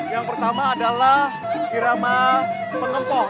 yang pertama adalah irama pengempong